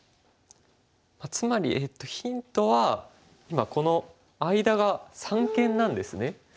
つまりヒントは今この間が三間なんですね。